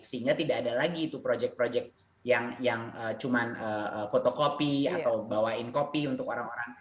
sehingga tidak ada lagi itu proyek proyek yang cuma fotokopi atau bawain kopi untuk orang orang